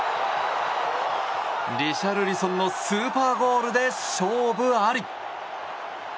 リシャルリソンのスーパーゴールで勝負あり。